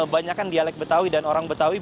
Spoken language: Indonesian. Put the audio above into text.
banyakkan dialek betawi dan orang betawi